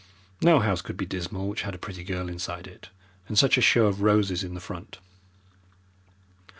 No house could be dismal which had a pretty girl inside it and such a show of roses in front.